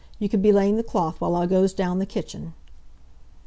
You can be laying the cloth while I goes down the kitchen."